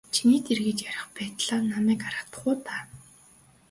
Чиний дэргэд ярих байтлаа намайг гаргах уу даа.